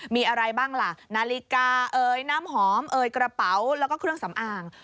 มีอะไรบ้างล่ะนาฬิกาเอ่ยน้ำหอมเอ่ยกระเป๋าแล้วก็เครื่องสำอาง